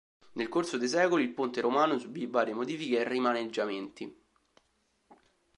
Nel corso dei secoli il ponte romano subì varie modifiche e rimaneggiamenti.